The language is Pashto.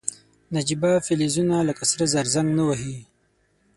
نجیبه فلزونه لکه سره زر زنګ نه وهي.